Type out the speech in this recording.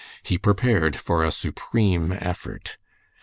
He prepared for a supreme effort.